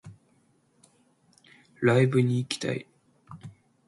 ライブに行きたい